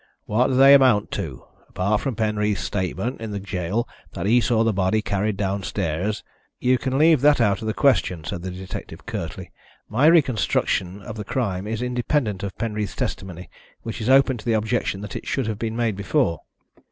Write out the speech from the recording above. What do they amount to? Apart from Penreath's statement in the gaol that he saw the body carried down stairs " "You can leave that out of the question," said the detective curtly. "My reconstruction of the crime is independent of Penreath's testimony, which is open to the objection that it should have been made before."